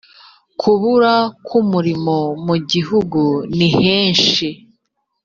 kubura ku murimo mu gihugu nihenshi.